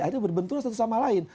akhirnya berbenturan satu sama lain